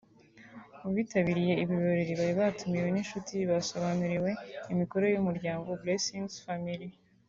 Mu bitabiriye ibi birori bari batumiwe n’inshuti basobanuriwe imikorere y’uyu muryango Blessings Family